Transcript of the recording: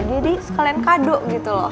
jadi sekalian kado gitu loh